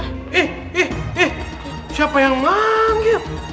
eh eh eh siapa yang manggil